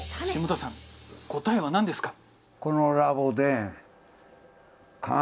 霜多さん答えは何ですか？